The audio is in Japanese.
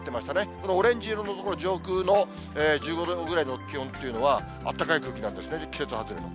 このオレンジ色の所、上空の１５度ぐらいの気温というのは、あったかい空気なんですね、季節外れの。